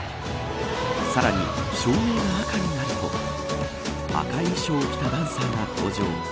さらに、照明が赤になると赤い衣装を着たダンサーが登場。